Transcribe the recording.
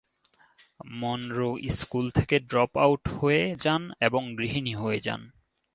Munro school থেকে drop out হয়ে যান এবং গৃহিণী হয়ে যান।